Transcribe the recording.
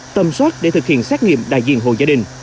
tầm soát để thực hiện xét nghiệm đại diện hồ gia đình